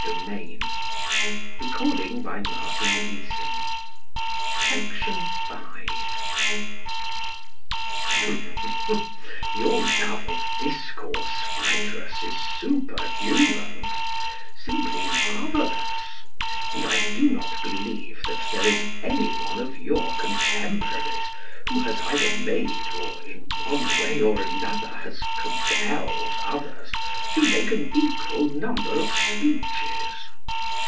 SOCRATES: Your love of discourse, Phaedrus, is superhuman, simply marvellous, and I do not believe that there is any one of your contemporaries who has either made or in one way or another has compelled others to make an equal number of speeches.